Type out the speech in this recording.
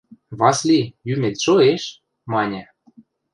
– Васли, йӱмет шоэш? – маньы.